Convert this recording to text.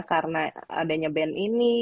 karena adanya band ini